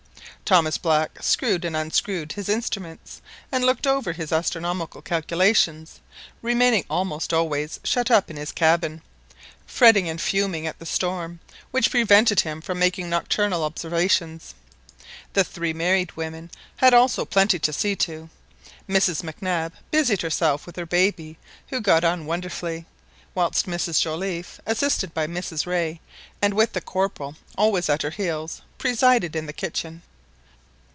Thomas Black screwed and unscrewed his instruments, and looked over his astronomical calculations, remaining almost always shut up in his cabin, fretting and fuming at the storm which prevented him from making nocturnal observations. The three married women had also plenty to see to : Mrs Mac Nab busied herself with her baby who got on wonderfully, whilst Mrs Joliffe, assisted by Mrs Rae, and with the Corporal always at her heels, presided in the kitchen.